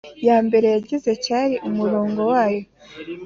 Ya mbere yagize cyari umurongo wayo